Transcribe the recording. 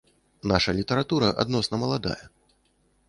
Наша літаратура адносна маладая.